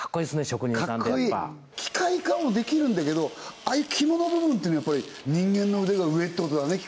職人さんって機械化もできるんだけどああいう肝の部分ってのはやっぱり人間の腕が上ってことだね